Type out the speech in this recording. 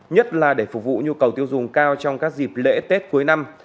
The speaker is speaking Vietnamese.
nhất là để phục vụ nhu cầu tiêu dùng cao trong các dịp lễ tết cuối năm